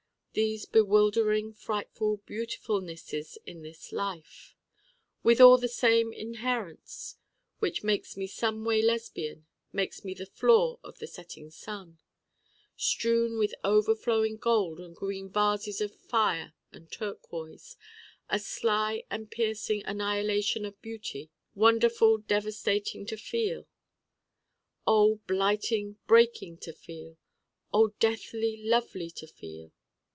These bewildering frightful beautifulnesses in this life . withal the same inherence which makes me someway Lesbian makes me the floor of the setting sun strewn with overflowing gold and green vases of Fire and Turquoise a sly and piercing annihilation of beauty, wonderful devastating to feel oh, blighting breaking to feel oh, deathly lovely to feel!